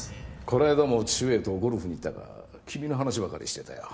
この間もお父上とゴルフに行ったが君の話ばかりしてたよ